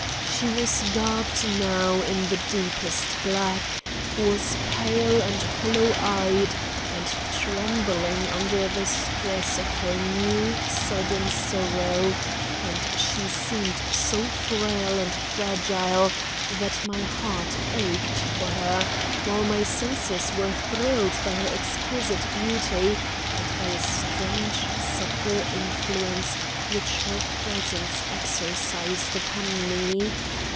She was garbed now in the deepest black, was pale and hollow eyed, and trembling under the stress of her new sudden sorrow; and she seemed so frail and fragile that my heart ached for her, while my senses were thrilled by her exquisite beauty and by a strange subtle influence which her presence exercised upon me.